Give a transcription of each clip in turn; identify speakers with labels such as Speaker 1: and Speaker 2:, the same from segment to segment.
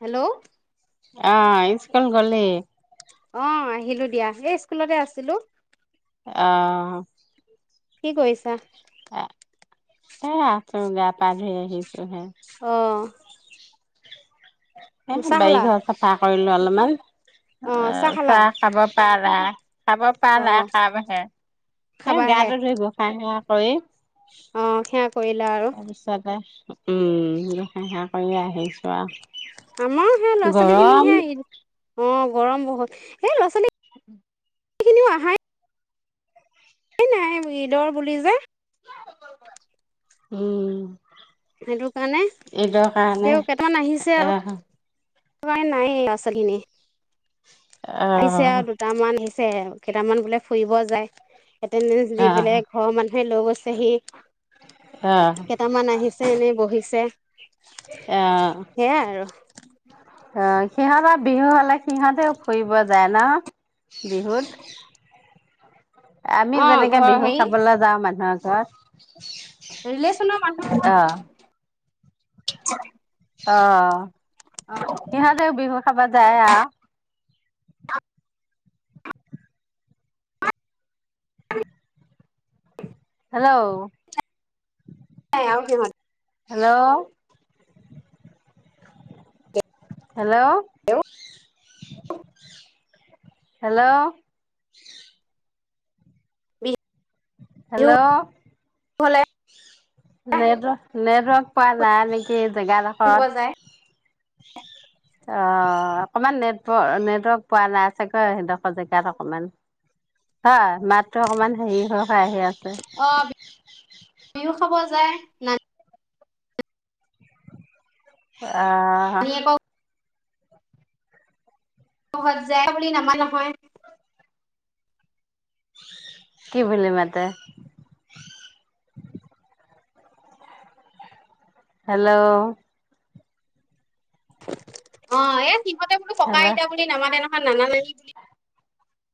Speaker 1: Hello.
Speaker 2: অ school গলি।
Speaker 1: অ আহিলোঁ দিয়া এই স্কুলতে আছিলোঁ।
Speaker 2: অহ।
Speaker 1: কি কৰিছা।
Speaker 2: এ আছোঁ গা-পা ধুই আহি।
Speaker 1: অ।
Speaker 2: এ
Speaker 1: চাহ খালা
Speaker 2: বাৰিঘৰ চাফা। কৰিলোঁ অলপমান। অ চাহ খাব পাৰা। খাব
Speaker 1: অ
Speaker 2: পাৰা খামহে এ
Speaker 1: খাবাহে
Speaker 2: গাটো ধুই গোহাঁই ঘৰত। হয়।
Speaker 1: অ সেয়া। কৰিলা আৰু
Speaker 2: তাৰপিছতে। উম সেৱা কৰিয়ে আহিছোঁ।
Speaker 1: আমাৰ সেই ল'ৰা
Speaker 2: পুৱা
Speaker 1: ছোৱালী
Speaker 2: গৰম।
Speaker 1: খিনিহে অ গৰম বহুত এই ল'ৰা-ছোৱালী।
Speaker 2: [inaudible]
Speaker 1: খিনিও অহাই নাই। এই নাই অহা ঈদৰ বুলি যে।
Speaker 2: উম।
Speaker 1: সেইটো কাৰণে
Speaker 2: এইটোৰ কাৰণে
Speaker 1: তেওঁ কেইটামান আহিছে আৰু।
Speaker 2: আহ
Speaker 1: প্ৰায়ে নাইয়ে ল'ৰা-ছোৱালীখিনি। আহিছে
Speaker 2: আহ
Speaker 1: আৰু দুটামান আহিছে। কেইটামান বোলে ফুৰিব যায়। এটেন্টেঞ্চ দি
Speaker 2: আহ আহ
Speaker 1: পেলাই ঘৰৰ মানুহে লৈ গৈছে। সেই [unintelligible]
Speaker 2: আহ
Speaker 1: কেইটামান আহিছে এনেই বহি ছে
Speaker 2: অ' অ' সিহঁতৰ বিহু হলে সিহঁতেও ফুৰিব যায় ন। বিহুত। আমি
Speaker 1: অ
Speaker 2: যেনেকে
Speaker 1: ঘৰ
Speaker 2: বিহুঁ খাবলৈ যাওঁ মানুহৰ ঘৰত।
Speaker 1: ৰিলেচনৰ মানুহ এঘৰত যে হয় [unintelligible]
Speaker 2: অ'। সিহঁতেও বিহুঁত খাব যায় আওঁ। হেল্ল'
Speaker 1: এে ম [unintelligible]
Speaker 2: হেল্ল'।
Speaker 1: সিহঁতেও
Speaker 2: হেল্ল'। হেল্ল' হেল্ল'
Speaker 1: ভলে।
Speaker 2: নেটৱৰ্ক, নেটৱৰ্ক পোৱা নাই নেকি
Speaker 1: ফুৰিব
Speaker 2: জেগাডোখৰত।
Speaker 1: যায়
Speaker 2: অ' আপনাৰ নেটৱৰ্ক নেটৱৰ্ক পোৱা নাই চাগৈ সেইডখৰ জেগাত অকমান হয় মাততো অকমান হেৰি হয় খায়হে আছে।
Speaker 1: য নাই [unintelligible]
Speaker 2: আঃ
Speaker 1: নানীয়েকৰ বহুত যায় বুলি নামা নহয়৷
Speaker 2: কি বুলি মাতে? হেল্ল'
Speaker 1: অ' এ সিহতে বোলে ককা
Speaker 2: হেল্ল'
Speaker 1: আইতা বুলি নামাতে নহয়। নানা নানি বুলিহে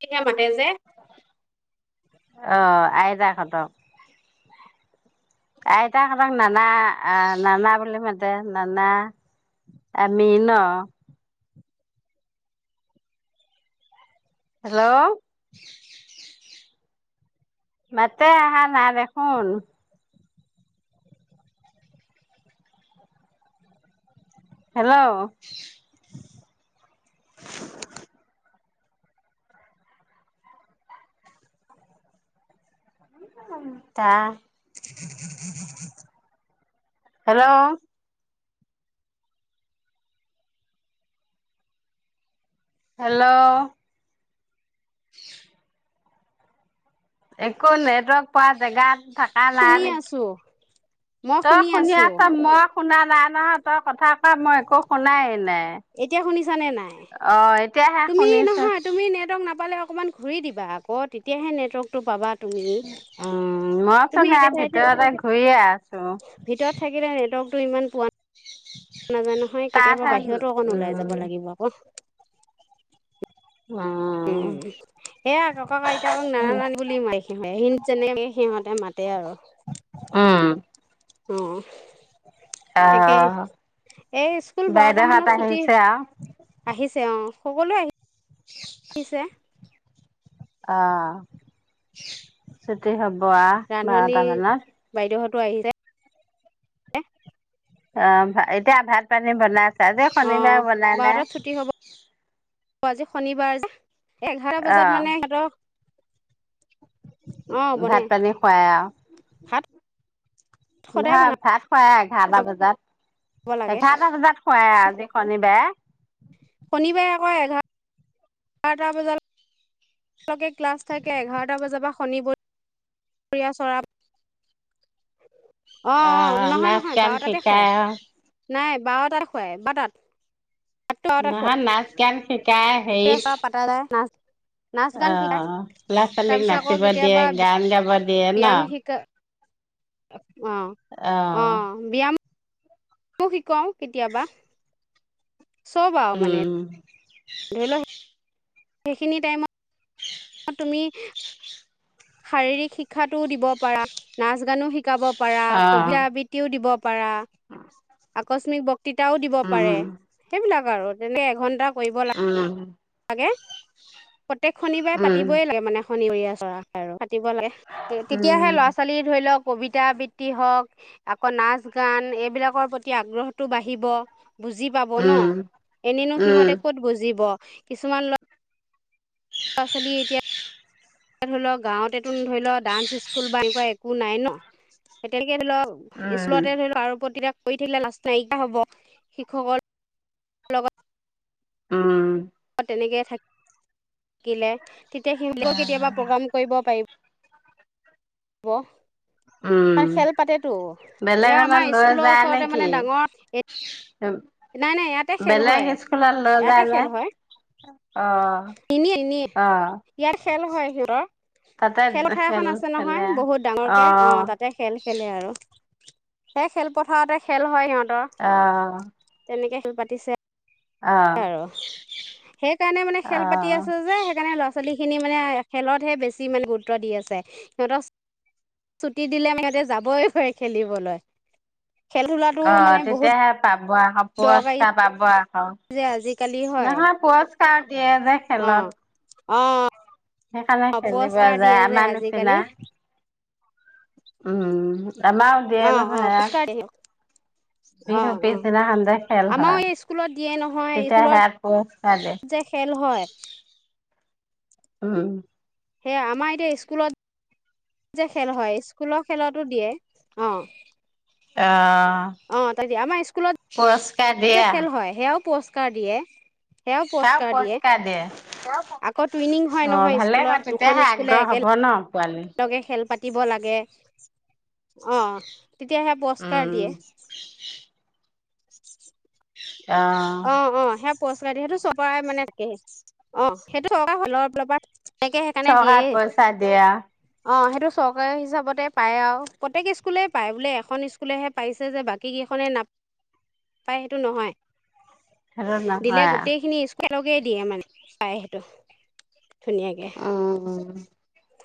Speaker 1: [unintelligible] মাতে যে।
Speaker 2: অ' আইতাহঁতক। আইতাহঁতক নানা আহ নানা বুলি মাতে নানা আমি ন হেল্ল' মাতে। আহা নাই দেখোন। Hello hello hello. [unintelligible] একো নেটৱৰ্ক পোৱা জেগাত থাকা না
Speaker 1: শুনি
Speaker 2: নেক
Speaker 1: আছো মই
Speaker 2: তই শুনি
Speaker 1: আছো
Speaker 2: আছ মই শুনা নাই নহয় তই কথা [unintelligible] মই একো শুনাই নাই।
Speaker 1: এতিয়া শুনিছানে নাই?
Speaker 2: অ এতিয়াহে
Speaker 1: তুমি
Speaker 2: শুনিছো
Speaker 1: নহয় তুমি নেটৱৰ্ক নাপালে অকণমান ঘূৰি দিবা আকৌ তেতিয়াহে নেটৱৰ্ক
Speaker 2: উম
Speaker 1: তুমি
Speaker 2: মইচোন
Speaker 1: একে
Speaker 2: সেইয়া
Speaker 1: ঠাইতে
Speaker 2: ভিতৰতে ঘূৰিয়ে আছো।
Speaker 1: টো ইমান পোৱা নাজা নহয় কেতিয়াবা
Speaker 2: তাতহে
Speaker 1: বাহিৰতো অকণ ওলাই
Speaker 2: উম
Speaker 1: যাব লাগিব আক। উম এইয়া ককাক আইতাকক [unintelligible] সিহঁত তে মাতে আৰু।
Speaker 2: অঁ।
Speaker 1: অঁ। তাকেই
Speaker 2: আহ
Speaker 1: এই স্কুল বাৰটা
Speaker 2: বাইদেউহঁত
Speaker 1: মানত ছুটি
Speaker 2: আহিছে আও
Speaker 1: আহিছে অ। সকলো আহি [unintelligible]
Speaker 2: আ সেইটোৱে হক। বোৱা বাৰটা মানত।
Speaker 1: টো আহিছে।
Speaker 2: অ এতিয়া ভাত পানী বনাই তাজে
Speaker 1: অ
Speaker 2: শনিবাৰ বনাই নে?
Speaker 1: অ আজি শনিবাৰ যে এঘাৰ
Speaker 2: অ
Speaker 1: বজাত মানে সিহঁতক বনে
Speaker 2: ভাত পানী খুৱাই আৰু।
Speaker 1: ভাত সদায়
Speaker 2: নহয়
Speaker 1: বনাব
Speaker 2: ভাত খুৱাই এঘাৰটা বজাত,
Speaker 1: লাগে
Speaker 2: এঘাৰটা বজাত হয় আজি শনিবাৰে
Speaker 1: শনিবাৰে আকৌ এঘাৰ এঘাৰটা [unintelligible] ক্লাছ থাকে, এঘাৰটা বজাৰ পৰা শনি [unintelligible]
Speaker 2: আহ, নাচ গান
Speaker 1: খুৱাই
Speaker 2: শিকাই আৰু।
Speaker 1: নাই বাৰটা খুৱাই ব তাত
Speaker 2: নহয় নাচ [unintelligible] কাই হেই
Speaker 1: চৰা পাতা যায় না নাচ গান
Speaker 2: অ
Speaker 1: শিকাই
Speaker 2: ল'ৰা ছোৱালীক নাচিব দিয়ে গান গাব দিয়ে ন
Speaker 1: বিয়াম শিকা [unintelligible] অ', অ', ব্যায়াম এইটোও শিকাও কেতিয়াবা সব আ মানে
Speaker 2: উম
Speaker 1: ধৰি ল সেইখিনি টাইমত অ তুমি শাৰীৰিক শিক্ষা টোও দিব পাৰা নাচ গানো শিকাব। পাৰা,
Speaker 2: অ
Speaker 1: কবিতা আবৃত্তিও দিব পাৰা, আ কচমিক বক তিতাও দিব পাৰে
Speaker 2: উম
Speaker 1: সেইবিলাক আৰু যেনে এঘন্টা
Speaker 2: উম।
Speaker 1: আগে প্ৰত্যেক শনিবাৰে
Speaker 2: উম
Speaker 1: পাতিবই লাগে মানে। শনিবৰিয়া চৰা আৰু। পাতিব লাগে তেতিয়াহে
Speaker 2: উম
Speaker 1: ল'ৰা ছোৱালী ধৰি লওক। কবিতা আবৃত্তি হওক আকৌ নাচ গান এইবিলাকৰ প্ৰতি আগ্ৰহটো বাঢ়িব। বুজি পাব ন?
Speaker 2: উম,
Speaker 1: এনেনো সিহঁতে
Speaker 2: উম,
Speaker 1: ক'ত বুজিব? কিছুমান ল ধৰি লও গাঁৱতেটোন ধৰি ল ডান্স স্কুল বা এনেকুৱা একো নাই ন? এতিয়া [unintelligible] ধৰি লওক
Speaker 2: উম,
Speaker 1: স্কুলতে ধৰি লও আৰু প্ৰতি কৰি থাকিলে লাজ নাইকিয়া হ'ব, শিক্ষকৰ লগত।
Speaker 2: ওম
Speaker 1: তেনেকৈ থাক ইলে। তেতিয়া সিহঁতেও কেতিয়াবা প্ৰগ্ৰাম কৰিব পাৰিব। বহ।
Speaker 2: উম।
Speaker 1: [unintelligible] খেল পাতেতো, এয়া
Speaker 2: বেলেগলৈ
Speaker 1: আমাৰ
Speaker 2: লৈ
Speaker 1: স্কুলৰ
Speaker 2: যায়
Speaker 1: ওচৰতে
Speaker 2: নেকি?
Speaker 1: মানে ডাঙৰ এ
Speaker 2: বেলেগ স্কুলত লৈ
Speaker 1: ইয়াতে
Speaker 2: যায় যে,
Speaker 1: খেল হয়
Speaker 2: অ',
Speaker 1: এনে এনে
Speaker 2: অ।
Speaker 1: ইয়াত খেল হয় সিহঁতৰ।
Speaker 2: তাতে
Speaker 1: খেলপথাৰ
Speaker 2: খেল
Speaker 1: এখন আছে
Speaker 2: খেলে
Speaker 1: নহয় বহুত ডাঙৰকে অ তাতে খেল খেলে আৰু। সেই খেলপথাৰতে খেল হয় সিহঁত
Speaker 2: অ অ।
Speaker 1: তেনেকে খেল পাতিছে।
Speaker 2: অ',
Speaker 1: আৰু সেইকাৰণে মানে খেল পাতি
Speaker 2: অ',
Speaker 1: আছে যে সেইকাৰণে ল'ৰা ছোৱাল ল'ৰা ছোৱালীখিনি মানে খেলতহে বেছি ইমানে গুৰুত্ব দি আছে সিহঁতৰ ছুটি দিলে আমি সিহঁতে যাবই পাৰি খেলিবলৈ খেল ধূলাটো
Speaker 2: অ
Speaker 1: মানে বহুত
Speaker 2: তেতিয়াহে পাব পাব আহক
Speaker 1: দৰকাৰী
Speaker 2: পুৰস্কাৰ পাব
Speaker 1: যে আজিকালি হয়
Speaker 2: নহয় পুৰস্কাৰ দিয়ে যে খেলত।
Speaker 1: অঁ
Speaker 2: সেইকাৰণে খেলিব যায় আমাৰ
Speaker 1: আজিকালি
Speaker 2: নিচিনা। উম। আমাৰও দিয়ে
Speaker 1: অ অ
Speaker 2: নহয়
Speaker 1: পুৰস্কাৰ দিয়ে
Speaker 2: ইয়াাত
Speaker 1: অ
Speaker 2: বিহু
Speaker 1: অ
Speaker 2: পিছদিনাখন যে খেল
Speaker 1: আমাৰো
Speaker 2: হয়
Speaker 1: এই স্কুলত দিয়ে নহয়
Speaker 2: তেতিয়া
Speaker 1: স্কুলত
Speaker 2: সিয়াত পুৰস্কাৰ দিয়ে।
Speaker 1: যে খেল হয়
Speaker 2: উম।
Speaker 1: সেয়া আমাৰ এতিয়া স্কুলত যে খেল হয় স্কুলৰ খেলতো দিয়ে অ। অ তাত দিয়ে আমাৰ স্কুলত
Speaker 2: পুৰস্কাৰ দিয়া
Speaker 1: কাৰ দিয়ে। সেয়াও
Speaker 2: কাক
Speaker 1: দিয়ে
Speaker 2: পুৰস্কাৰ
Speaker 1: আকৌ টুইনিং হয়
Speaker 2: দিয়ে, অ
Speaker 1: নহয়
Speaker 2: ভালে
Speaker 1: স্কুলত
Speaker 2: হয়
Speaker 1: দুখন
Speaker 2: তেতিয়াহে
Speaker 1: স্কুলে
Speaker 2: আগ্ৰহ হব ন? পোৱালি।
Speaker 1: একেলগে খেল পাতিব লাগে দে- অহ তেতিয়াহে পুৰস্কাৰ
Speaker 2: উম,
Speaker 1: দিয়ে। [unintelligible] অ অ সে পুৰস্কাৰ দিয়ে সেইটো চপৰাই মানে থাকেহি অ সেইটো চৰকাৰ ফালৰ পৰা
Speaker 2: চৰকাৰ পইচা দিয়া।
Speaker 1: অঁ সেইটো চৰকাৰী হিচাপতে পায় আৰু প্ৰত্যেক স্কুলে পায় বোলে এখন স্কুলেহে পাইছে যে বাকীকেইখনে নাপায় সেইটো নহয়।
Speaker 2: খেলত নহয় আ
Speaker 1: একেলগে দিয়ে মানে পাই, সেইটো। ধুনীয়াকে।
Speaker 2: উম,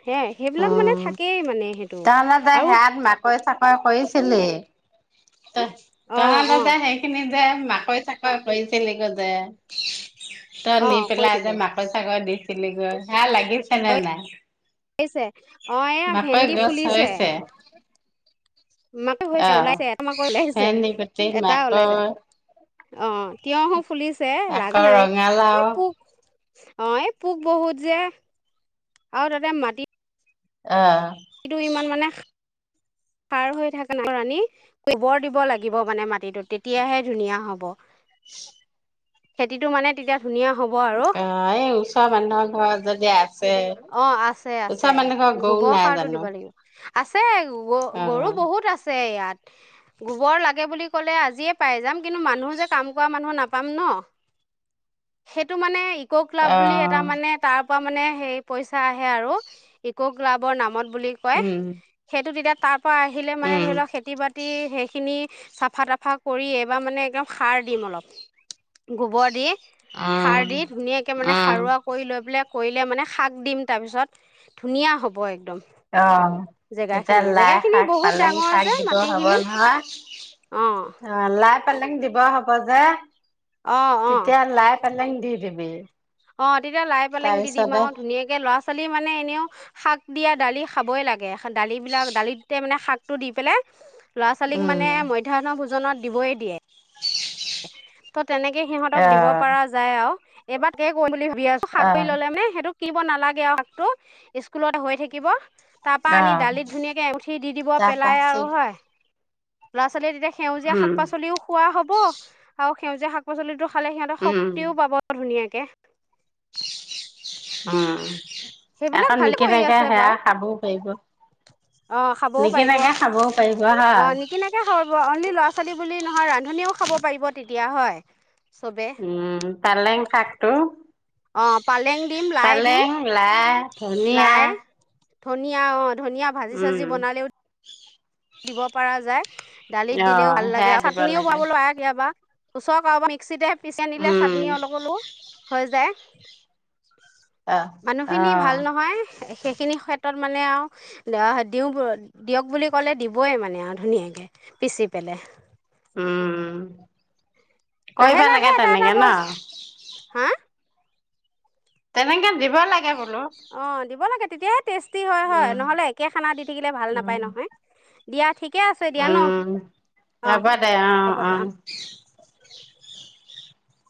Speaker 1: হে সেইবিলাক মানে
Speaker 2: উম,
Speaker 1: থাকেই মানে সেইটো আৰু
Speaker 2: কৈছিলে।
Speaker 1: অ
Speaker 2: তাহাত
Speaker 1: অ
Speaker 2: দুটাই সেইখিনি এই মাকৈ, চাকৈ কৰিছিলি গৈ যে।
Speaker 1: অ
Speaker 2: তই নি পেলাই যে
Speaker 1: কৰিছিলোঁ
Speaker 2: মাকৈ, চাকৈ দি [inaudible] হেয়া লাগিছে নে নাই?
Speaker 1: লাগিছে অ, এয়া
Speaker 2: মাকৈ
Speaker 1: ভেন্দি
Speaker 2: গছ
Speaker 1: ফুলিছে।
Speaker 2: হৈছে,
Speaker 1: মাকৈ হৈছে,
Speaker 2: অ'।
Speaker 1: ওলাইছে, এটা মাকৈ ওলাইছে,
Speaker 2: ভেন্দি গুটি,
Speaker 1: এটা ওলাইছে।
Speaker 2: মাকৈ,
Speaker 1: অ'। তিয়হো ফুলিছে, লাগা
Speaker 2: আকৌ
Speaker 1: নাই, এই
Speaker 2: ৰঙালাও
Speaker 1: পোক অ', এই পোক বহুত যে, আৰু তাতে মাটি
Speaker 2: অ'।
Speaker 1: কিন্তু ইমান মানে সাৰ হৈ থাকা নাই। আনি গোবৰ দিব লাগিব মানে মাটিটোত। তেতিয়াহে ধুনীয়া হব। খেতিটো মানে তেতিয়া ধুনীয়া হ'ব আৰু
Speaker 2: অ', এই ওচৰ মানুহৰ ঘৰত যদি আছে
Speaker 1: অ', আছে আছে,
Speaker 2: ওচৰ মানুহ ঘৰৰ গৰু
Speaker 1: গোবৰ
Speaker 2: নাই
Speaker 1: সাৰ টো
Speaker 2: জানো?
Speaker 1: দিব লাগিব। আছে গৰু
Speaker 2: অ',
Speaker 1: বহুত আছে ইয়াত। গোবৰ লাগে বুলি ক'লে আজিয়ে পাই যাম। কিন্তু মানুহ যে কাম কৰা মানুহ নাপাম ন? সেইটো মানে ইক ক্লাব বুলি এটা
Speaker 2: অ',
Speaker 1: মানে তাৰ পৰা মানে সেই পইচা আহে আৰু ইক ক্লাবৰ নামত বুলি কয়,
Speaker 2: উম,
Speaker 1: সেইটো তেতিয়া তাঁত পৰা আহিলে মানে,
Speaker 2: উম,
Speaker 1: ধৰি ল খেতি, বাতি সেইখিনি চাফা, তাফা কৰি এইবাৰ মানে একদম সাৰ দিম অলপ। গোবৰ দি
Speaker 2: উম,
Speaker 1: সাৰ দি ধুনীয়াকে মানে,
Speaker 2: উম,
Speaker 1: সাৰুৱা কৰি লৈ পেলাই কৰিলে মানে শাক দিম, তাৰপিছত ধুনীয়া হ'ব একদম।
Speaker 2: অ', তেতিয়া
Speaker 1: জেগাখিনি
Speaker 2: লাই
Speaker 1: জেগাখিনি
Speaker 2: শাক,
Speaker 1: বহুত
Speaker 2: পালেং
Speaker 1: ডাঙৰ
Speaker 2: শাক,
Speaker 1: যে
Speaker 2: দিব হ'ব
Speaker 1: মাটিখিনি
Speaker 2: নহয়।
Speaker 1: অঁ
Speaker 2: অ', লাই পালেং দিব হ'ব যে।
Speaker 1: অঁ
Speaker 2: তেতিয়া লাই, পালেং দি দিবি।
Speaker 1: অ', তেতিয়া লাই, পেলেং দি দিম
Speaker 2: তাৰপিছতে
Speaker 1: আৰু ধুনীয়াকে ল'ৰা পাঁচলি মানে এনেও শাক দিয়া দালি খাবই লাগে। দালিবিলাক দালিতে মানে শাকটো দি পেলাই ল'ৰা ছোৱালীক
Speaker 2: উম,
Speaker 1: মানে মধ্যাহ্ন ভোজনত দিবই দিয়ে। ত' তেনেকে সিহঁতক দিব
Speaker 2: অ',
Speaker 1: পৰা যায় আৰু এইবাৰ তোকে কও বুলি ভাবি [unintelligible] হাত কৰি
Speaker 2: অ',
Speaker 1: ললেনে সেইটো শিকিব নালাগে আৰু [unintelligible] স্কুলত হৈ থাকিব। তাৰপা আনি
Speaker 2: অ',
Speaker 1: দালিত ধুনীয়াকে এমুঠি দি দিব
Speaker 2: তাৰপা
Speaker 1: পেলাই
Speaker 2: চি
Speaker 1: আৰু, হয়। লৰা ছোৱালীয়ে তেতিয়া সেউজীয়া শাক
Speaker 2: উম,
Speaker 1: পাচলিও খোৱা হ'ব। আৰু সেউজীয়া শাক পাচলিটো খালে সিহঁতৰ
Speaker 2: উম।
Speaker 1: শক্তিও পাব ধুনীয়াকে। কে [unintelligible]
Speaker 2: অ। আকৌ
Speaker 1: ভালে কৰি
Speaker 2: নিকেনেকে
Speaker 1: আছে
Speaker 2: সেয়া
Speaker 1: বাৰু
Speaker 2: খাবও পাৰিব।
Speaker 1: অ' খাবও পাৰিব।
Speaker 2: নিকিনাকে খাবও পাৰিব
Speaker 1: অ
Speaker 2: হয়
Speaker 1: নিকিনাকে খাব পাৰ, অনলি ল'ৰা ছোৱালী বুলি নহ নহয় ৰান্ধনিও খাব পাৰিব তেতিয়া, হয়? চবে
Speaker 2: উম পালং শাকটো
Speaker 1: অ পালেং দিম লাই দিম
Speaker 2: পালেং, লাই, ধনিয়া
Speaker 1: লাই ধনিয়া অ। ধনীয়া ভাজি
Speaker 2: উম
Speaker 1: চাজি বনালেও দিব পৰা যায়। দালিত
Speaker 2: অ
Speaker 1: দিলেও ভাল লাগে
Speaker 2: সেয়া
Speaker 1: আৰু
Speaker 2: দিব
Speaker 1: চাটনিও
Speaker 2: লাগে
Speaker 1: বোৱাবলৈ আহ ইয়াবা ওচৰ কাৰোবাৰ মিক্সিতে পিচি আনিলে
Speaker 2: উম
Speaker 1: চাটনি অলপ ললো হৈ যায়।
Speaker 2: অ অ
Speaker 1: মানুহখিনি ভাল নহয়, সে-সেইখিনি ক্ষেত্ৰত। মানে আৰু [unintelligible] দিয়ক বুলি কলে দিও। বই মানে আৰু ধুনীয়াকৈ পিচি পেলাই
Speaker 2: উম, উম।
Speaker 1: লাহে
Speaker 2: কৰিবা
Speaker 1: লাহে
Speaker 2: লাগে
Speaker 1: এটা এটা
Speaker 2: তেনেকে না।
Speaker 1: বস্তু হা?
Speaker 2: তেনেকে দিব লাগে ব
Speaker 1: অ দিব লাগে [inaudible] টেষ্টি হয় হয়
Speaker 2: উম
Speaker 1: নহ'লে একে খানা দি থাকিলে ভাল নাপায় নহয়। দিয়া ঠিক-
Speaker 2: উম্ হ'ব দে
Speaker 1: হ'ব
Speaker 2: অ-অ।
Speaker 1: দিয়া